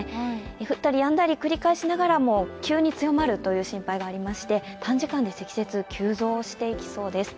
降ったりやんだりを繰り返しながらも急に強まるという心配がありまして短時間で積雪、急増していきそうです。